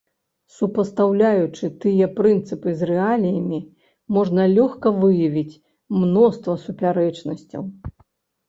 Супастаўляючы тыя прынцыпы з рэаліямі, можна лёгка выявіць мноства супярэчнасцяў.